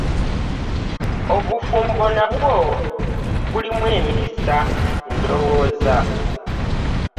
Obufumbo nabwo bulimu emikisa ndowooza.